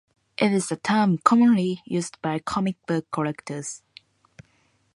It is a term commonly used by comic book collectors.